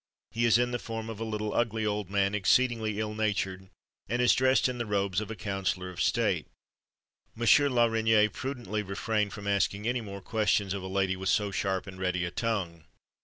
He is in the form of a little ugly old man, exceedingly illnatured, and is dressed in the robes of a Counsellor of State." M. la Reynie prudently refrained from asking any more questions of a lady with so sharp and ready a tongue.